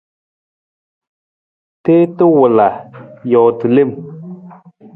Tiita wala, joota lem.